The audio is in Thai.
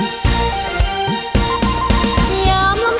แชมป์สายนี้มันก็น่าจะไม่ไกลมือเราสักเท่าไหร่ค่ะ